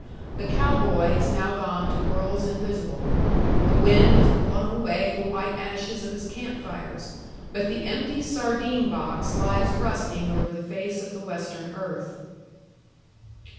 The cow boy is now gone to worlds invisible; the wind has blown away the white ashes of his camp fires; but the empty sardine box lies rusting over the face of the Western earth.